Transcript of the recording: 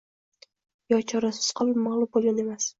Yo chorasiz qolib, mag‘lub bo‘lgan emas